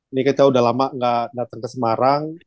ini kita udah lama nggak datang ke semarang